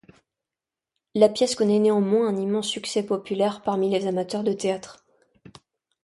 La pièce connaît néanmoins un immense succès populaire parmi les amateurs de théâtre.